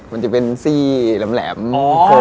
มันจะเป็นซี่แหลม